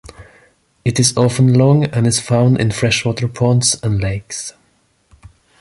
It is often long and is found in freshwater ponds and lakes.